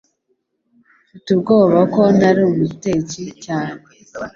Mfite ubwoba ko ntari umutetsi cyane